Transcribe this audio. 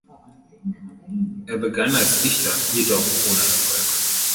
Er begann als Dichter, jedoch ohne Erfolg.